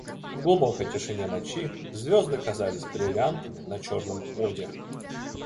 В глубокой тишине ночи звезды казались бриллиантами на черном оде.